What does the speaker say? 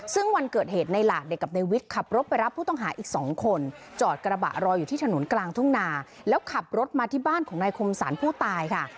ซึ่งวันเกิดเหตุในหลาดเด็กกับในวิทย์ขับรถไปรับผู้ต้องหาอีก๒คนจอดกระบะรออยู่ที่ถนนกลางทุ่งนาแล้วขับรถมาที่บ้านของนายคมสรรผู้ตายค่ะ